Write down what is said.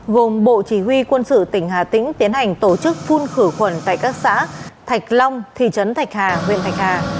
gồm bộ chỉ huy quân sự tỉnh hà tĩnh tiến hành tổ chức phun khử khuẩn tại các xã thạch long thị trấn thạch hà huyện thạch hà